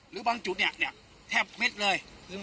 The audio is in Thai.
หรือบางจุดเนี่ยแทบเม็ดเลย